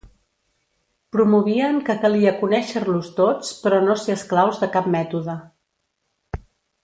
Promovien que calia conèixer-los tots però no ser esclaus de cap mètode.